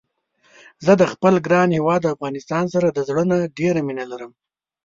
زه د خپل ګران هيواد افغانستان سره د زړه نه ډيره مينه لرم